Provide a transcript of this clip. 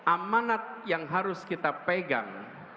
amanat yang harus kita pegang